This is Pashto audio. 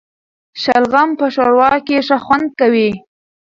شلغم په ښوروا کي ښه خوند کوي